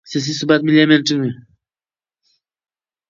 سیاسي ثبات ملي امنیت ټینګوي